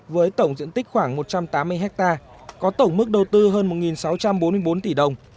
với tổng diện tích khoảng một trăm tám mươi hectare có tổng mức đầu tư hơn một sáu trăm bốn mươi bốn tỷ đồng